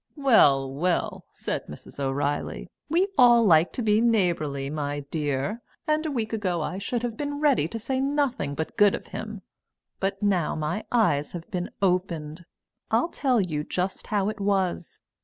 "Well, well," said Mrs. O'Reilly, "we all like to be neighbourly, my dear, and a week ago I should have been ready to say nothing but good of him. But now my eyes have been opened. I'll tell you just how it was.